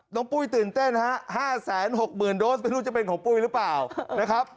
ปุ้ยตื่นเต้นฮะ๕๖๐๐๐โดสไม่รู้จะเป็นของปุ้ยหรือเปล่านะครับ